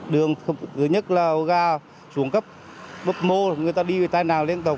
đường thứ nhất là gà xuống cấp bấp mô người ta đi tai nạn liên tục